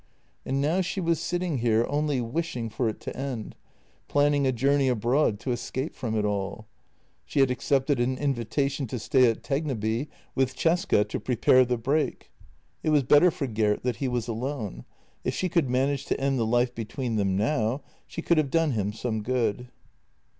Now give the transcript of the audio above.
And now she was sitting here only wishing for it to end, planning a journey abroad to escape from it all. She had ac cepted a invitation to stay at Tegneby with Cesca to prepare the break. It was better for Gert that he was alone — if she could manage to end the life between them now, she could have done him some good.